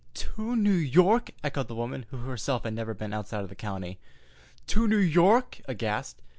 "To New York!" echoed the woman, who herself had never been outside of the county. "To New York!"—aghast.